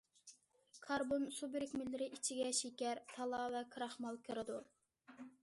كاربون سۇ بىرىكمىلىرى ئىچىگە شېكەر ، تالا ۋە كراخمال كىرىدۇ.